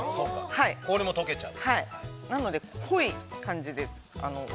◆氷も溶けちゃう？